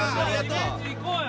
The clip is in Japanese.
リベンジいこうよ。